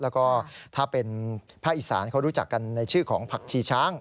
แล้วก็ถ้าเป็นภาคอีสานเขารู้จักกันในชื่อของผักชีช้าง